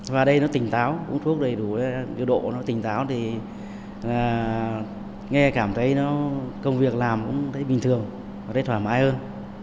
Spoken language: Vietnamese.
và đây nó tỉnh táo uống thuốc đầy đủ độ nó tỉnh táo thì nghe cảm thấy công việc làm cũng thấy bình thường thấy thoải mái hơn